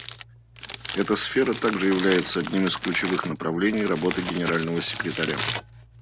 Эта сфера также является одним из ключевых направлений работы Генерального секретаря.